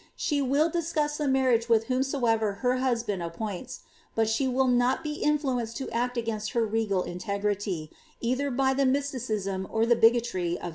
She will discuss the marriage with whomsoever her husband appoints; but she will tiot be inHuenccd lo act ogBinsI her regal inle^ty, either by the mysticism or the bigotry of his friars.